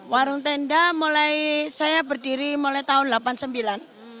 warung tenda mulai saya berdiri mulai tahun delapan puluh sembilan